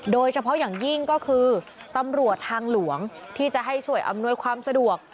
โดยเฉพาะอย่างยิ่งก็คือตำรวจทางหลวงที่จะให้ช่วยอำนวยความสะดวก